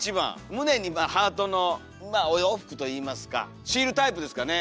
胸にハートのまあお洋服といいますかシールタイプですかね？